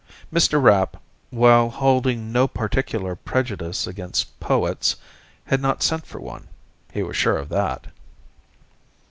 Mr. Rapp, while holding no particular prejudice against poets, had not sent for one, he was sure of that.